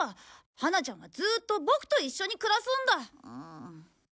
ハナちゃんはずーっとボクと一緒に暮らすんだ。